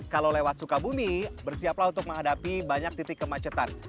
kalau lewat sukabumi bersiaplah untuk menghadapi banyak titik kemacetan